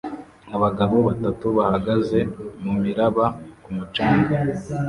Abagabo batatu bahagaze mumiraba ku mucanga